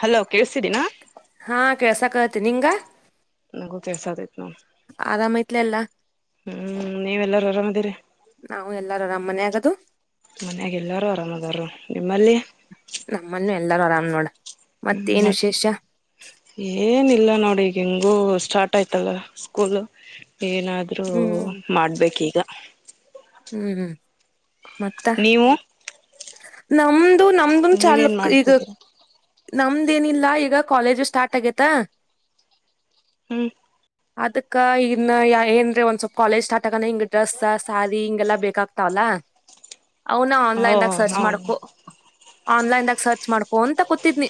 [inaudible] Hello ಕೇಳಸತಿದ್ದೀನ ಹಾ ಕೆಳ್ಸಕ್ತ ನಿಂಗ ನಗು ಕೆಲಸ ಆದೈತ ನ ಆರಾಮೈತ್ಲ ಎಲ್ಲ [inaudible] ಹ್ಮ್ ನೀವೆಲ್ಲಾರು ಆರಾಮದಿರಿ ನಾವು ಎಲ್ಲಾರ ಅರಾಮನೆ ಆಗ ಮನ್ಯಾಗ ಎಲ್ಲಾರು ಆರಾಮದಾರರು ನಿಮ್ಮಲ್ಲಿ ನಮ್ಮನ್ನು ಎಲ್ಲಾರು ಆರಾಮ್ ನೋಡ ಹ್ಮ್ ಮತ್ತೇನ್ ಮತ್ತೆ ವಿಶೇಷ ಏನ್ ಇಲ್ಲ ನೋಡಿ ಈಗ ಹಿಂಗು ಸ್ಟಾರ್ಟ್ ಆಯ್ತಲ್ಲ ಸ್ಕೂಲ್ ಏನಾದ್ರೂ ಮಾಡ್ಬೇಕ ಈಗ ಹ್ಮ್ ಹ್ಮ್ ಮತ್ತ ನೀವು ನಮ್ದು ನಮ್ದನ್ ನೀವೇನ್ ಚಾಲಕ್ ಈಗ ಮಾಡ್ತಿದ್ದೀರಾ ನಮ್ದೇನಿಲ್ಲ ಈಗ ಕಾಲೇಜು ಸ್ಟಾರ್ಟ್ ಆಗ್ಯೇತ ಹ್ಮ್ ಅದಕ್ಕ ಇನ್ನ ಏನ್ರೀ ಒಂದ್ ಸ್ವಲ್ಪ್ ಕಾಲೇಜ್ ಸ್ಟಾರ್ಟ್ ಆಗಣ ಹಿಂಗ ಡ್ರೆಸ್ ಸ್ಯಾರಿ ಗೆಲ್ಲ ಬೇಕಾಗ್ತಾವಲ್ಲ ಅವನ ಓ ಆನ್ಲೈನ್ದಾಗ ಸರ್ಚ್ ಹ ಮಾಡಕು ಆನ್ಲೈನ್ದಾಗ ಸರ್ಚ್ ಮಾಡ್ಕೊ ಅಂತ ಕೂತಿದ್ನಿ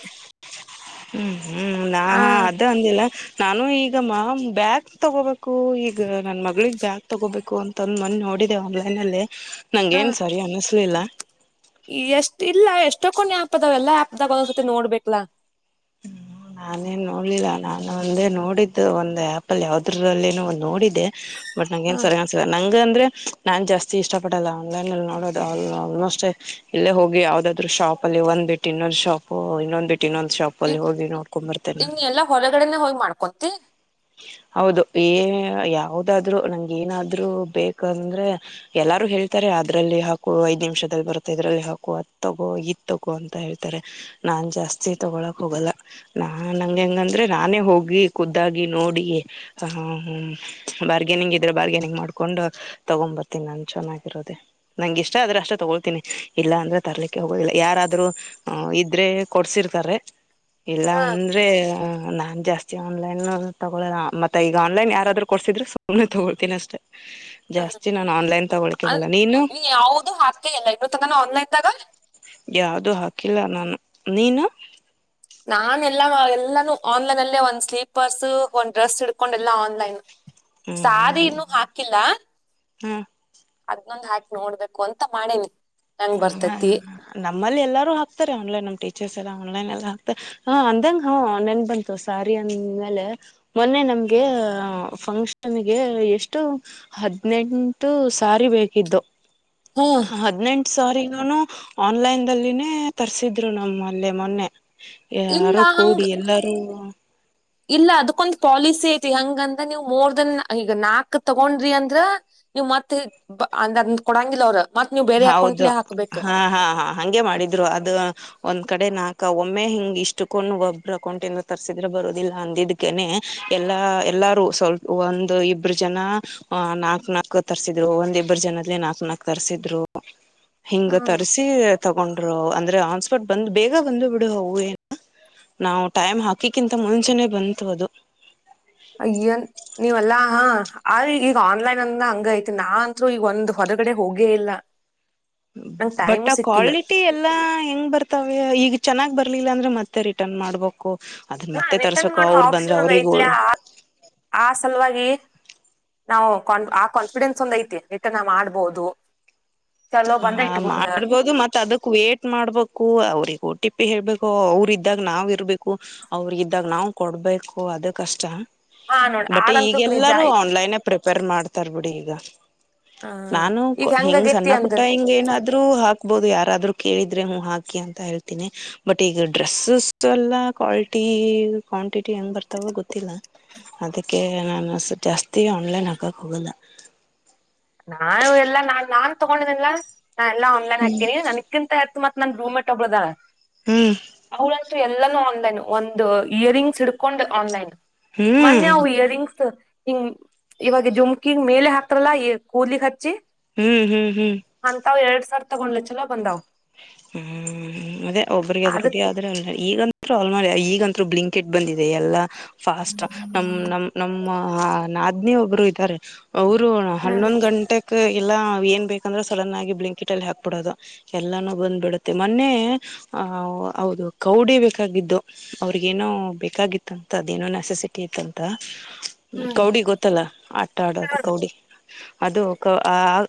ಹ್ಮ್ ಹ್ಮ್ ನಾ ಆ ಹಾ ಅದ ಅಂದಿಲ್ಲ ನಾನು ಈಗಮ್ಮ ಬ್ಯಾಗ್ ತಗೋಬೇಕು ಈಗ ನನ್ ಮಗಳಗೆ ಬ್ಯಾಗ್ ತಗೋಬೇಕು ಅಂತಂದ ಮನ್ ನೋಡಿದೆ ಆನ್ಲೈನ್ ನಂಗ ಹ ನ್ ಸರಿ ಅನಸ್ಲಿಲ್ಲ ಎಷ್ಟ್ ಇಲ್ಲ ಎಷ್ಟ ಕೊನೆ ಆಪ್ ಅದಾವ ಎಲ್ಲಾ ಆ್ಯಪ್ದಾಗ ಒಂದ್ಸತಿ ನೋಡ್ಬೇಕಲ ನಾನೇನ್ ನೋಡ್ಲಿಲ್ಲ ನಾನು ಒಂದೇ ನೋಡಿದ್ದು ಒಂದ ಆ್ಯಪ ಅಲ್ಲಿ ಯಾವ್ದಲ್ಲಿನ ಒ ನೋಡಿದೆೆ ಬಟ್ ನಂ ಹ ನ್ರಿಸಸ ನಗೆ ಅಂದ್ರೆ ನಾನ್ ಜಾಸ್ತಿ ಇಷ್ಟ ಪಡಲ್ಲ ಆನ್ಲೈನ್ ಅಲ್ಲಿ ನೋಡೋದು ಆಲ್ಮೋಸ್ಟ್ ಇಲ್ಲೇ ಹೋಗಿ ಯಾವದಾದ ಶಾಪ್ ಅಲ್ಲಿ ಒಂದ್ ಬಿಟ್ಟು ಇನ್ನೊಂದ್ ಶಾಪ್ ಇನ್ನೊ್ ಬಿಟ್ಟು ಇನ್ನೊಂದ್ ಶಾಪ್ ಅಲ್ಲಿ ಹೋಗಿ ನೋ ಇನ್ ಎಲ್ಲಾ ಹೊರಗಡೆನೆ ಹೋಗಿ ಮಾಡ್ಕೊಂತಿ ಹೌದು ಏ ಯಾವದಾದ್ರು ನಂಗ ಏನಾದ್ರು ಬೇಕಂದ್ರೆ ಎಲ್ಲಾರು ಹೇಳ್ತ ಅದ್ರಲ್ಲಿ ಹಾಕು ಐದ್ ನಿಮಿಷದಲ್ಲಿ ಬರುತ್ತೆ ಇದ್ರಲ್ಲಿ ಹಾಕು ಹ ತಗೋ ಇತ್ತ ತಗೋ ಅಂತ ಹೇಳ್ತಾರೆ ನಾನ್ ಜಾಸ್ತಿ ತಗೊಳಕ್ ಹೋಗಲ್ಲ ನಾ ನಂಗೆ ಹೆಂಗಂದ್ರೆ ನಾನೇ ಹೋಗಿ ಖುದ್ದಾಗಿ ನೋಡಿ ಬಾರ್ಗನಿಂಗ್ ಇದ್ರ ಬಾರ್ಗನಿಂಗ್ ಮಾಡ್ಕೊಂಡು ತಗೊಂಡ್ ಬರ್ತೀನಿ ನ ಚೆನ್ನಾಗಿರೋದೆೇ ನಂಗ ಇಷ್ಟ ಆದ್ರೆ ಅಷ್ಟೇ ತಗೊಳ್ತೀನಿ ಇಲ್ಲ ಅಂದ್ರೆ ತರ್ಲಿಕ್ಕೆ ಹೋಗೋುದಿಲ್ಲ ಯಾರಾದ್ೂ ಇದ್ರೆ ಕೊಡ್ಸಿರ್ತಾರೆ ಇಲ್ಲ ಅಂದ್ರೆ ನಾನ್ ಜಾಸ್ತಿ ಆನ್ಲೈನ್ ತಗೊಳೋಣ ಮತ್ತೆ ಈಗ ಆನ್ಲೈನ್ ಯಾರಾದ್ರರು ಕೊಡ್ಸಿದ್ರೆ ಸುಮ್ಮನೆ ತಗೊಳ್ತೀನಿ ಅಷ್ಟೆ ಜಾಸ್ತಿ ನಾನು ಆನ್ಲೈನ್ ಹಾ ತಗೋಳ್ಕೆಗಲ್ಲ ನೀನು ನೀ ಯಾವ್ದು ಹಾಕೆ ಇಲ್ಲ ಇನ್ನು ತನಾನು ಆನ್ಲೈನ್ದಾಗ ಯಾವ್ದು ಹಾಕಿಲ್ಲ ನಾನು ನೀನು ನಾನ ಎಲ್ಲಾ ಎಲ್ಲಾನು ಆನ್ಲೈನ್ ಅಲ್ಲೇ ಒಂದ್ ಸ್ಲೀಪರ್ಸ್ ಒಂದ್ ಡ್ರೆಸ್ ಇಿಡ್ಕೊಂಡ ಎಲ್ಲಾ ಆನ್ಲೈನ್ ಸಾರಿ ಹ್ಮ್ ಇನ್ನುೂ ಹಾಕಿಲ್ಲ ಹ್ಮ ಇನ್ನೊಂದ್ ಹಾಟ್ ನೋಡ್ಬೇಕು ಅಂತ ಮಾಡೇನಿ ಹೆಂಗ್ ಹ ಬರ್ತೇತಿ ನಮ್ಮ ನಮ್ಮಲ್ಲಿ ಎಲ್ಲಾರೂ ಹಾಕ್ತಾರೆ ಆನ್ಲೈನ್ ನಮ್ ಟೀಚರ್ಸ್ ಎಲ್ಲ ಆನ್ಲೈನ್ ಎಲ್ಲ ಹಾಕ್ತಾರೆ ಹ ಅಂದಂಗ ಹ ನೆನ್ ಬಂತು ಸಾರಿ ಅಂದೇ ಮೊನ್ನೆ ನಮಗೆ ಕ್ಷನ್ಗೆ ಎಷ್ಟು ಹದಿನ ಹದಿನೆಂಟು ಸಾರಿ ಬೇಕಿದ್ದು ಹ್ಮ್ ಹದಿನಂಟು ಸಾರಿ ನನು ಆನ್ಲೈನ್ಲ್ಲಿನೇ ತರ್ಸಿದ್ರು ನಮ್ಮಲ್ಲೆ ಮೊನ್ನೆ ಇಲ್ಲ ಯಾರು ಹಂಗ್ ಕೂಡಿ ಎಲ್ಲಾರೂ ಇಲ್ಲ ಅದಕ್ಕೊಂದ್ ಪಾಲಿಸಿ ಐತಿ ಹಂಗಂದ್ರ ನೀವು ಮೋರ್ ದನ್ ಈಗ ನಾಕ್ ತಗೊಂಡ್ರಿ ಅಂದ್ರ ನೀವು್ ಮತ್ೆ ಅಂದ ಅಂದ ಕೊಡಂಗಿಲ್ಲ ಅವರು ಹೌದು ಹಾ ಹಾ ಹಾ ಹಗೆ ಮಾಡಿದ್ರು ಅದು ಒಂದ್ ಕಡೆ ನಾಕು ಒಮ್ಮೆ ಹಿಂಗ ಇಷ್ಟಕೊಂಡ್ ಒಬ್ರ ಅಕೌಂಟಿಂದ ತರ್ಸಿದ್ರೆ ಬರದಿಲ್ಲ ಅಂದಿದ್ಗನೆ ಎಲ್ಲಾ ಎ ಎಲ್ಲೂ ಸ್ವಲ್ಪ ಒಂದು ಇಬ್ಬರು ಜನ ನಾಕ ನಾಕು ತರ್ಸಿದ್ರು ಒಂದ ಇಬ್ಬರು ಜನದ ನಾಕಕ್ ನಾಕು ತರ್ಸಿದ್ರು ಹಿಂಗ ಹ್ಮ್ ತಸಿ ತಗೊಂಡ್ರು ಅಂದ್ರೆ ಟ್ ಬಂದ್ ಬೇಗ ಬಂದು ಬಿಡು ಅವು ಏನು ನಾವು ಟೈಮ್ ಹಾಕಿಕಿಂತ ಮುಂಚೆಾನನೆ ಬಂತು ಅದು ಅಯ್ಯನ್ ನೀವಲ್ಲಾ ಹಾ ಆ ಈಗ ಆನ್ಲೈನ್ ಅಂದ ಹಂಗ ಐತಿ ನಾತ್ೂ ಈಗ ಒಂದ್ ಹೊರಗಡೆ ಹೋಗೇ ಇಲ್ಲ ನಂಗ್ ಬಟ್ ಟೈಮು ಆ ಸಿಕ್ಕಿಲ್ಲ ಕ್ವಾಲಿಟಿ ಎಲ್ಲಾ ಹೆಂಗ್ ಬರ್ತಾವ ಈಗ ಚೆನ್ನಾಗ್ ಬರ್ಲಿಲ್ಲ ಅಂದ್ರೆ ಮತ್ತೆ ರಿಟರ್ನ್ ಮಾಡ್ಬೇಕು ಅದನ್ನ ಹಾ ಮತ್ತೆ ರಿಟರ್ನ್ ತರ್ಸ್ಬೇಕು ಮಾಡುವ ಅವ್ರು ಬಂದ್ರೆ ಆಪ್ಷನ್ ಒಂದ ಅವ್ರಿಗ ಐತ್ಲ ಆ ಸಲುವಾಗಿ ನಾವು ಕನ್ ಆ ಕಾನ್ಫಿಡೆನ್ಸ್ ಒಂದ ಐತಿ ರಿಟರ್ ನ್ ಮಾಡ್ಬೋದು ಚಲೋ ಬಂದ ಹ ಇಟ್ಕೊಂಡ ಮಾಡ್ಬೋದು ಮತ್ ಅದಕ್ ವೇಟ್ ಮಾಡ್ಬೇಕು ಅವ್ರಗ್ ಊಟಿ ಹೇಳ್ಬೇಕು ಅವ್ರ ಇದಾಗ ನಾವ್ ಇರ್ಬೇಕು ಅವ್ರಗ ಇದಾಗ ನಾವ್ ಕೊಡ್ಬೇಕು ಅದು ಕಷ್ಟ ಹಾ ನೋಡ್ ಬಟ್ೆ ಆದಂತೂ ನಿಜ ಈಗೆಲ್ಲಾರೂ ಆನ್ಲೈನ್ೇ ಪ್ರಿಪೇರ್ ಮಾಡ್ತಾರ ಬಿಿಡಿ ಈಗ ಹ ನಾನು ಈಗ ಹಿಂಗ್ ಹೆಂಗಗೇತಿ ಸಣ್ಣ ಅಂದ ಪುಟ್ಟ ಹಿಂಗ ಏನಾದ್ರು ಹಾಕ ಬಹದು ಯಾರಾದ್ರರು ಕೇಳಿದ್ರೆ ಹ್ ಹಾಕಿ ಅಂತ ಹೇಳ್ತಿನಿ ಬಟ್ ಈಗ ಡ್ರೆಸ್ಸಸ್ ಎಲ್ಲ ಕ್ವಾಾಲಿಟಿ ಈ ಕ್ವಾಂಟಿಟಿ ಹೆಂಗ್ ಬರ್ತಾವ ಗೊತ್ತಿಲ್ಲ ಅದಕ್ಕೆ ನಾನು ಜಾಸ್ತಿ ಆನ್ಲೈನ್ ಹಾಕಕ್ ಹೋಗಲ್ಲ ನಾು ಎಲ್ಲಾ ನಾನ್ ನಾನ್ ತಗೊಂಡಿದ್ದಿಲ್ಲ ನಾ ಎಲ್ಲಾ ಆನ್ಲೈನ್ ಹಾಕೀನಿ ನನ್ಕಿಂತ ಎತ್ ಮತ್ ನನ್ ರೂಮ್ಟ್ಟ ಒಬಳುದ ಹ್ಮ್ ಎಲ್ಲಾನೂ ಆನ್ಲೈನ್ ಒಂದು ಇಯರ್ರಿಂಗ್ಸ್ ಹಿಡ್ಕೊಂಡು ಆನ್ಲೈನ್ ಮೊನ್ನೆ ಹ್ಮ್ ಅವು ಇಯರಿಂಗ್ಸ್ ಹಿಂಗ ಇವಾಗ ಜುಮ್ಕಿ ಮೇಲೆ ಹಾಕ್ರಾರಾರಲ್ಲಾ ಕೂಲಿಖಾಚ್ಚಿ ಹ್ಮ್ ಹ್ಮ್ ಹ್ಮ್ ತಗೊಂಡಲ ಚಲ್ಲ ಬಂದವು ಹ್ಮ್ ಅದೇ ಒಬ್ರಿಗೆ ಅದ ರೊಟಿ ಅದಕ್ ಆದ್ರ ಅಲ್ಲ ಈಗ ಮಾಡ ಈಗಂತೂ ಬ್ಲಿಂಕೆಟ್ ಬಂದಿದೆ ಎಲ್ಲಾ ಫಾಸ್ಟ್ ನ ನಮ್ ನಮ್ಮ ಹ ನಾದ್ನಿ ಒಬ್ರು ಇದ್ದಾರೆ ಅವರು ಹನ್ನೊಂದ್ ಗಂಟೆಕ್ ಎಲ್ಲಾ ಏನ್ ಬೇಕಂದ್ರೆ ಸಡನ್ ಆಗಿ ಬ್ಲಂಕೆಟ್ ಅಲ್ಲಿ ಹಾಕ್ಬಿಡೋದು ಎಲ್ಲಾನೂ ಬಂದು ಬಿಡುತ್ತೆ ಮೊನ್ನೆ ಆ ಹೌದು ಕೌಡಿ ಬೇಕಾಗಿದ್ದು ಅವ್ರಗ ಏನೋ ಬೇಕಾಗಿತ್ತು ಂತ ಅದೇನೋ ನೆಸೆಸಿಟಿ ಇಐತ್ತಂತ ಕೌಡಿ ಗೊತ್ತಲ್ಲ ಆಟ ಆಡೋದು ಕೌಡಿ ಅದು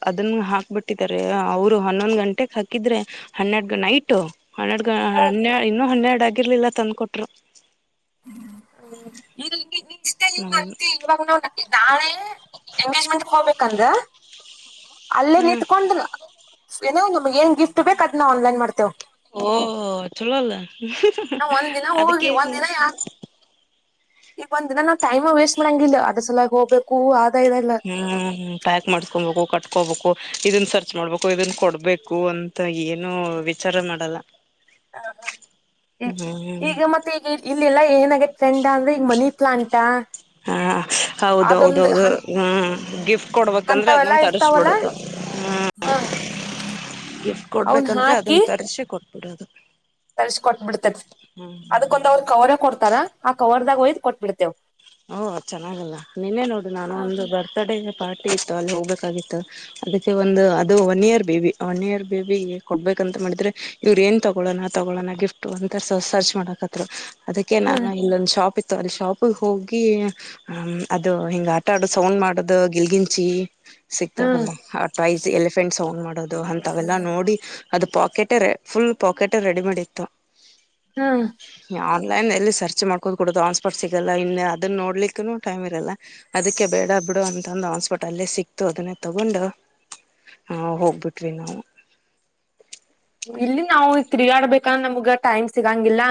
ಅದನ್ನ ಹಾಕ್ಬಿಟ್ಟಿದ್ದಾರೆ ಅವರು ಹನ್ನೊಂದ್ ಗಂಟೆಕ್ ಹಾಕಿದ್ರೆ ಹನ್ನೆರಡು ಗ ನೈಟು ಹನ್ನೆರಡು ಗ ಹನ್ನೆ ಇನ್ನುೂ ಹನ್ನೆರಡು ಆಗಿರ್ಲಿಲ್ಲ ತಂದ್ಕೊಟ್ರು [unintelligible] ನೆಕ್ಸ್ಟ್ ಡೇ ಹಿಂಗ ಹ್ಮ ಅಂತತಿ ಇವಾಗ ನಾ ನಾಳೆ ಎಂಗೇಜ್ಮೆಂಟ್ ಹೋಗ್ಬೇಕಂದ ಅಲ್ಲೇ ನಿತ್ಕೊಂಡ್ ಏನ ನಮ್ಗೆ ಏನ್ ಗಿಫ್ಟ್ ಬೇಕಕ್ ಅದನ್ನ ಆನ್ಲೈನ್ ಮಾಡ್ತೇವ ಓ ಚಲ ಅಲ್ಲ ನಾವ್ ಒಂದ್ ದಿನ ಹೋಗಿ ಅದಕ್ಕೆೇ ಈ ಬಂದಿನ ನಾ್ ಟೈಮ್ ವೇಸ್ಟ್ ಮಾಡಂಗಿಲ್ಲ ಅದ್ರ ಸಲಾಗಿ ಹೋಗಬೇಕು ಅ ಹ್ಮ್ ಪ್ಯಾಕ್ ಮಾಡಸ್ಕೊಬೇಕು ಕಟ್ಕೋಬೇಕು ಇದನ್ ಸರ್ಚ್ ಮಾಡ್ಬೇಕು ಇದನ್ ಕೊಡ್ಬೇಕು ಅಂತ ಏನು ವಿಚಾರ ಮಾಡಲ್ಲ ಹ ಈ ಹ್ಮ್ ಈಗ ಮತ್ತೆ ಈಗ ಇಲ್ಲಲ್ಲ ಏನಾಗೆ ಫ್ರೆಂಡ್ ಅಂದ್ರೆ ಈಗ ಮನಿ ಪ್ಲಾಂಟಾ ಹಾ ಹೌದೌದೌದು ಹ್ಮ್ ಗಿಫ್ಟ್ ಕೊಡ್ಬೇಕಂದ್ರೆ ಅದನ್ ತರಿಸಬಿಡದು ಹಾ ಗಿಫ್ಟ್ ಕೊಡ್ಬೇಕಂದ್ರೆ ಅದನ್ನ ತರ್ಸಿ ಕೊಟ್ಬಿಡು ಅದು ತರ್ಸ ಕೊಟ್ಬಿಡ್ತೇತಿ ಅದಕ್ಕೊಂದ ಅವ್ರರು ಕವರ ಕೊಡ್ತಾರ ಆ ಕವರ್ದಾಗ ಒಯ್ದು ಕೊಟ್ಟಟ್ಬಿಡ್ತೆೇವ ಓ ಚೆನ್ನಾಗಿಲ್ಲ ನಿನ್ನೆ ನೋಡು ನಾನು ಒಂದು ಹ್ಮ್ ಬರ್ತ್ಡೇ ಪಾರ್ಟಿ ಇತ್ತು ಅಲ್ಲಿ ಹೋಗ್ಬೇಕಾಗಿತ್ತು ಅದಕ್ಕೆ ಒಂದು ಅದು one year baby one year baby ಕೊಡ್ಬೇಕಂತ ಮಾಡಿದ್ರೆ ಇವ್ರ ಏನ್ ತಗೋಣ ತಗೋಣ ಗಿಫ್ಟ್ ಅಂತ ಸರ್ಚ್ ಮಾಡಕತ್ ಅದಕ್ಕೆ ನಾನು ಇಲ್ಲೊಂದು ಶಾಪ್ ಇತ್ತು ಅಲ್ಲಿ ಶಾಪ್ ಹೋಗಿ ಹ ಅದು ಹಿಂಗ ಆಟಾ ಆಡ ಸೌಂಡ್ ಮಾಡದು ಗಿಲ್ಗಿಂಚಿ ಹ್ಮ್ ಸಿಕ್ತಾವಲ್ಲ ಆ ಟಾಯ್ಸ್ ಎಲಿಫೆಂಟ್ಸ್ ಸೌಂಡ್ ಮಾಡೋದು ಅಂತವೆೆಲ್ಲಾ ನೋಡಿ ಅದು ಪಾಕೆಟ ಫುಲ್ ಪಾಕೆಟ್ ರೆಡಿ ಮಾಡಿತ್ತು ಹ್ಮ ಆನ್ಲೈನ್ ಎಲ್ಲಿ ಸರ್ಚ್ ಮಾಡ್ಕೋುದು ಕೊಡುದು ಆನ್ಸ್ಪಾಟ್ ಸಿಗ ಇ ಅದನ್ನ ನೋಡ್ಲಿಕ್ಕೂ ಟೈಮ್ ಇರಲ್ಲ ಅದಕ್ಕೆ ಬೇಡ ಬಿಡು ಅಂತ ಹನ್ಸ್ಪಟ್ ಅಲ್ಲೇ ಸಿಕ್ತು ಅದನ್ನೇ ತಗೊಂಡ ಹಾ ಹೋಗ್ಬಿಟ್ರಿ ನಾವು ಇಲ್ಲಿ ನಾವು ತಿರುಗಾಡ್ಬೇಕಂದ್ರೆ ನಮ್ಗ ಟೈಮ್ ಸಿಗಂಗಿಲ್ಲ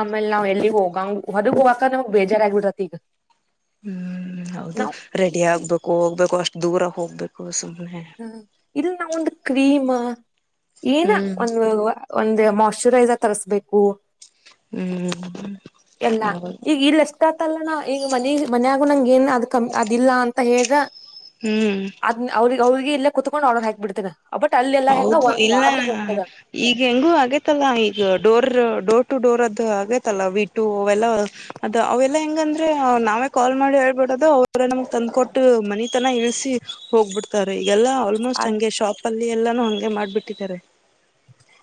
ಆಮೇಲೆ ನಾವ್ ಎಲ್ಲಿ ಹೋಗ ಹೊದಗ್ ಹೋಗಕ ನ್ ಬೇಜಾರಾಗಗ್ಬಿಡತಿಗ ಹ್ಮ್ ಹೌದು ರೆಡಿ ಆಗ್ಬೇಕು ಹೋಗ್ಬೇಕು ಅಷ್ಟು ದೂರ ಹೋಗ್ಬೇಕು ಸು ಹ ಇಲ್ಲಿ ನಾವ ಒಂದು ಕ್ರೀಮ ಏನ ಹ್ಮ್ ಒಂದ ಒಂದು ಮಾಯ್ಚುರೈಸರ್ ತರಿಸಬೇಕು ಹ್ಮ್ ಎಲ್ಲ ಹೌದು ಈಗ ಇಲ್ಲ ಎಷ್ಟ ಆತಲ್ಲ ನ ಈಗ ಮನ ಮನ್ ಆಾಗ ನಂಗಗೆ ಏನ್ ಅ್ ಕ ಅದಿಲ್ಲ ಅಂತ ಹೇಳ್ರ ಹ್ಮ್ ಇಲ್ಲ ಕುತ್ಡು ಆರ್ ಹಾಕ್ಬಡ್ತೇನೆ ಹೌದು ಇಲ್ಲ ಈಗ ಹೆಂಗು ಆಗೇತಲ್ಲ ಈಗ ಡೋರ್ ಡೋರ್ ಟು ಡೋರ್ ಅದು ಆಗೇತಲ್ಲ ವೀಟು ಅವೆಲ್ಲ ಅದ ಅವೆಲ್ಲಾ ಹೆಂಗಂದ್ರೆ ನಾವೇ ಕಾಲ್ ಮಾಡಿ ಹೇಳ್ಬಿಡದು ಅವ್ರ ನಮ್ಗ್ ತಂದ್ಕ ಕೊಟ್ಟು ಮನ ತನ ಇಳಸಿ ಹೋಗ್ಬಿಡ್ತಾರೆ ಎಲ್ಲಾ ಆಲ್ಮೋಸ್ಟ್ ಅದ್ ಹಂಗೆ ಶಾಪ್ ಅಲ್ಲಿ ಎಲ್ಲಾನು ಹಂಗೆ ಮಾಡ್ಬಿಟ್ಟಿದ್ದಾರೆ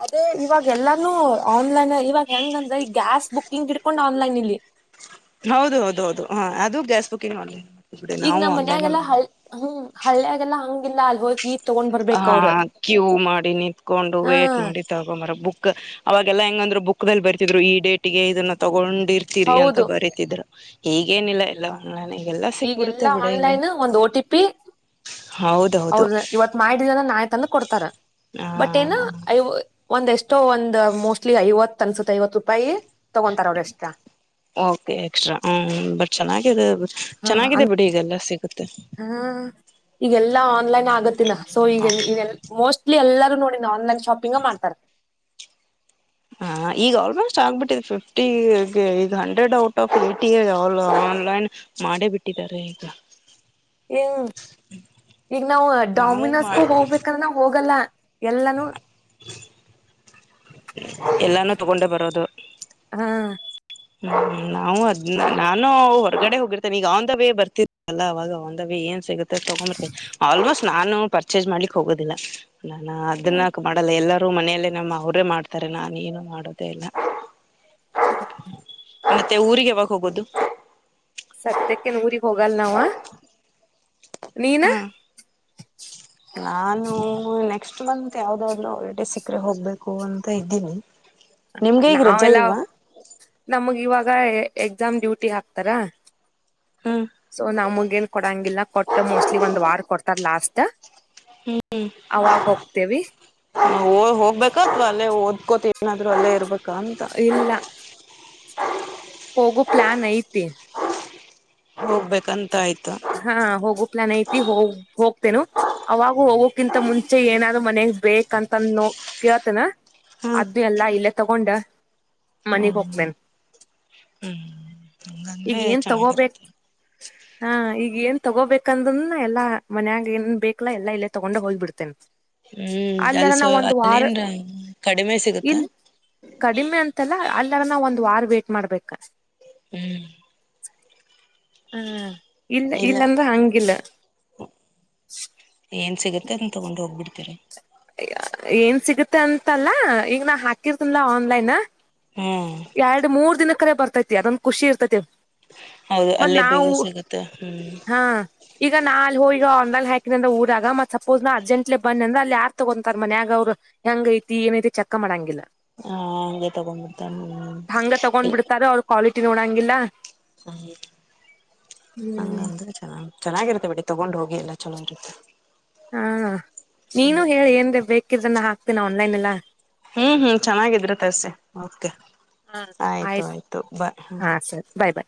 ಅದೇ ಇವಾಗ ಎಲ್ಲಾನು ಆನ್ಲೈನ್ ಇವಾಗ ಹೆಂಗಂದ್ರೆ ಈ ಗ್ಯಾಸ್ ಬುಕ್ಕಿಂಗ್ ತಿಡ್ಕೊಂಡು ಆನ್ಲೈನ್ ಇಲ್ಲಿ ಹೌದು ಹೌದು ಹೌದು ಹಾ ಅದು ಗ್ಯಾಸ್ ಬುಕಿಂಗ್ ಮಾಡ್ಲ ಈಗ ನಮ್ಮ್ ಮನ್ಯಾಗೆಲ್ಲ ಹ ಹ್ಮ ಹಳ್ಳಿಯಾಗಲ್ಲ ಹಂಗಿಲ್ಲ ಅಲ್ ಹೋ ಈ ಹಾ ಕ್ಯೂ ಮಾಡಿ ನಿಂತ್ಕೊಂಡು ಹಾ ವೇಟ್ ಮಾಡಿ ತಗೊಂಬರ ಬುಕ್ ಅವಾಗ ಎಲ್ಲಾ ಹೆಂಗಂದ್ರು ಬುಕ್ ದಲ್ಲಿ ಬರ್ತಿದ್ರು ಈ ಡೇಟ್ಗೆ ಇದನ್ನ ತಗೊಂಡಿರ್ತೀರಿ ಅಂತ ಹೌದು ಬರಿತಿದ್ರು ಈಗೇನಿಲ್ಲ ಎಲ್ಲ ಒಂಗ್ನ ಈಗೆಲ್ಲಾ ಆನ್ಲೈನ್ ಒಂದು್ಓ ಟಿ ಪಿ ಹೌದೌದು ಅವ್ರದ ಇವತ್ ಮಾಡ ನ್ ತಂದು ಕೊಡ್ತಾರ ಹ ಬಟ್ ಏನಐ ಒಂದ್ ಎಷ್ಟೋ ಒಂದ್ ಮೋಸ್ಟ್ಲಿ ಐವತ್ ಅನ್ಸತ್ ಐವತ್ ರೂಪಾಯಿ ತಗೊಂತಾರ ಅವ್ರ ಎಕ್ಸ್ಟ್ರಾ [inaudible] ಎಕ್ಸ್ಟ್ರಾ ಹ ಬಟ್ ಚೆನ್ನಾಗಿ ಅ ಚೆನ್ನಾಗಿದೆ ಬಿಡಿ ಈದೆಲ್ಲ ಸಿ ಹ ಈಗೆಲ್ಲಾ ಆನ್ಲೈನ್ ಆಗತ್ತಿನ ಸೊ ಈ ಹ ಮೋಸ್ಟ್ಲಿ ಎಲ್ಲ ನೋಡಿ ನವು ಆನ್ಲೈನ್ ಶಾಪಿಂಗ ಮಾಡ್ತಾರೆ ಹ ಈಗ ಆಲ್ಮೋಸ್ಟ್ ಆಗ್ಬಿಟ್ಟಿದೆ ಫಿಫ್ಟಿ ಈಗ hundred out of eighty online ಮಾಡೇ ಬಿಟ್ಟಿದ್ದಾರೆ ಈಗ ಹ ಈಗ ನಾವವು ನಾವು ಡಾಮಿನೋಸ್ಗೂ ಹೋಗ್ಬೇಕ್ರ ನಾವ್ ಹೋಗಲ್ಲ ಎಲ್ಲನೂ [inaudible] ಎಲ್ಲಾನೂ ತಗೊಂಡೆ ಬರೋದು. ಹಾ ಹ್ಮ ನಾವು ಅದ್ ನಾನು ಹೊರಗಡೆ ಹೋಗಿರ್ತೇನೆ ಈಗ ಅವಂದ [unintelligible] ವೇ ಬರ್ತಲ್ಲ ಅವಾಗ ಅವಂದ [unintelligible] ವ ಏನ್ ಸಿಗುತ್ತ ತಗೊ ಆಲ್ಮೋಸ್ಟ್ ನಾನು ಪರ್ಚೇಸ್ ಮಾಡ್ಲಿಕ್ಕೆ ಹೋಗೋುದಿಲ್ಲ ನಾನ ಅದನ್ನ ಮಾಡಲ್ಲ ಎಲ್ಲ- ಅವರು ಮನೆಯಲ್ಲೇ ನಮ್ಮ ಅವರೇ ಮಾಡ್ತಾರೆ ನಾನು ಏನು ಮಾಡೋುದೇ ಇಲ್ಲ. ಹ್ಮ್ ಮತ್ತೆ ಊರಿಗೆ ಯಾವಾಗ ಹೋಗೋದು ಸತ್ಯಕ್ಕೆ ಊಗ್ [unintelligible] ಹೋಗಲ್ ನಾವ ನೀನ ಹಾ ನಾನು ನೆಕ್ಸ್ಟ್ ಮಂತ್ ಯಾವ್ದಾದ ಒಟ ಸಕ್ಕ್ರ ಹೋಗ್ಬೇಕು ಅಂತ ಇದ್ದೀನಿ. ನಿಮ್ಗೆ ಈಗ ರಜಾ ನಾವೆಲ್ಲ ಇಲ್ವಾ ನಮಗ ಇವಾಗ ಆಗ ಎಕ್ಸಾಮ್ ಡ್ಯೂಟಿ ಹಾಕ್ತಾರಾ. ಹ್ಮ್ ಸೊ -ನಮಗ ಏನ್ ಕೊಡಂಗಿಲ್ಲ ಕೊಟ್ಟಕ ಮೋಸ್ಟ್ಲಿ ಒಂದ್ ವಾರ ಕೊಡ್ತಾರ ಲಾಸ್ಟ್. ಹ್ಮ್ ಅವಾಗ ಹೋಗ್ತೇವಿ [inaudible] ಹೋಗ್ಬೇಕತ್ವಾ ಅಲ್ಲೇ ಕ್ಕೋತ್ ಏನಾದ್ ಅ ಇರಬೇಕು. ಇಲ್ಲ ಹೋಗೋ ಪ್ಲಾನ್ ಐತೆ. ಹೋಗ್ಬೇಕಂತ ಆಯ್ತು ಹಾ- ಹೋಗು ಪ್ಲಾನ್ ಐತಿ ಹೋಗ. ಹೋಗ್ತೇನು ಅವಾಗ ಹೋಗೋಕಿಂತ ಮುಂಚೆ ಏನಾದ್ರು ಮನೆಗ್ ಬೇಕಕ್ ಅಂತಂದ ನೋ ಕೇಳ್ತೇನಾ. ಅದು ಎಲ್ಲಾ ಇಲ್ಲೇ ತಗೊಂಡ. ಮನಿಗ್ ಹ್ಮ್ಮ ಹೋಗ್ತೇನ್ -ಹ್ಮ್ ಈಗ ಹಂಗಂದ್ರೆ ಏನ್ ತಗೋಬೇಕ, ಚೆನ್ನಾಗಿರುತ್ತೆ ಹಾ ಈಗ ಏನ್ ತಗೋಬೇಕಂದನ್ನ ಎಲ್ಲಾ ಮನ್ಯಾಗ ಏನ್ ಬೇಕಕ್ಲ್ಲಾ ಎಲ್ಲಾ ಇಲ್ಲೇ ತಗೊಂಡ ಹೋದ್ಬಿಡ್ತೇನೆ. ಹ್ಮ್ ಅಲ್ಲಾರ ಅಲ್ಸ ನಾವ ಒಂದು ವಾರ ಅಲ್ಲೇನ್ರ ಕಡಿಮೆ ಸಿಗುತ್ತಾ ಇಲ್ ಕಡಿಮೆ ಅಂತ, ತ್ತಲ್ಲ ಅಲ್ಲಾರ ನಾವ್ ಒಂದು ವಾರ ವೇಟ್ ಮಾಡ್ಬೇಕ. ಹ್ಮ್ ಹಾ- ಇಲ್ಲ ಇಲ್ಲಾಂದ್ರೆ ಹಂಗಿಲ್ಲ. ಏನ್ ಸಿಗುತ್ತೆ ಅದನ್ ತೊಗೊಂಡ್ ಹೋಗ್ಬಿಡ್ತೀರಿ. ಏನ್ ಸಿಗುತ್ತೆ ಅಂತಲ್ಲಾ ಈಗ ನಾ ಹಾಕಿರ್ತಿನ್ಲಾ ಆನ್ಲೈನ್, ಹ್ಮ್ [unintelligible] ಎರಡು ಮೂರ್ ದಿನ ಕಡೆ ಬರ್ತೈತಿ ಅದಂದ ಖುಷಿ ಇರ್ೈತಿ ಹೌದು ಅಲ್ಲೇ ಬೇಗ ಸಿಗುತ್ತೆ -ಹ್ಮ್- ಹಾ ಈಗ ನಾಲ್ ಹೋಗ ಈಗ ಒಂದ ಹಾಕಿದ ಅ್ರ ಊದಾಗ ಮತ್ ಸಪೋಸ್ ನಾ ಅರ್ಜೆಂಟ್ ಬಂದ್ರೆ ಅಲ್ಲಿ ಯಾರ್ ತಗೊಂತಾರೆ ಮನ್ಯಾಗಗ ಅವರು- ಹೆಂಗ ಐತಿ ಏನ ಐತಿ ಚಕ್ಕ ಮಾಡಂಗಿಲ್ಲ‌. ಹಾ- ಹಗೆ ತಗೊಂಡಿ ಹಂಗ ತಗೊಂಡ್ ಬಿಡ್ತಾರ ಅವ್ರ ಕ್ವಾಲಿಟಿ ನೋಡಂಗಿಲ್ಲ. ಹ [inaudible] ನಂಗ ಹ್ಮ್ ಅಂದ ಚ ಚೆನ್ನಾಗಿರುತ್ತೆ ಬಿಡಿ ತಗೊಂಡ್ ಹೋಗಿ ಎಲ್ಲ ಚೆಲಾಗಿರುತ್ತೆ. ಹಾ -ನೀನು ಹೇಳಿ ಏನ್ ಬೇಕಿದನ್ನ ಹಾಕ್ತೀನ ಆನ್ಲೈನ್ ಎಲ್ಲಾ ಹ್ಮ್ -ಹ್ಮ್ ಚೆನ್ನಾಗಿದ್ರೆ ತರ್ಸಿ ಆಯ್ತು ಆಯ್ತು ಹಬ್ಬ ಹಾ ಸರಿ ಬಾಯ್ ಬಾಯ್